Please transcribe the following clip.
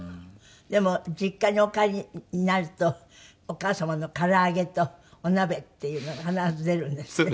でも実家にお帰りになるとお母様の唐揚げとお鍋って必ず出るんですって？